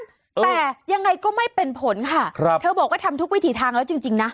แต่ยังไงก็ไม่เป็นผลค่ะครับเธอบอกว่าทำทุกวิถีทางแล้วจริงจริงนะ